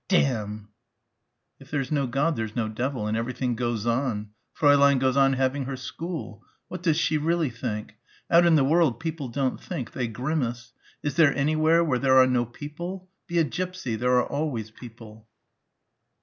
_ DAMN.... If there's no God, there's no Devil ... and everything goes on.... Fräulein goes on having her school.... What does she really think?... Out in the world people don't think.... They grimace.... Is there anywhere where there are no people? ... be a gipsy.... There are always people....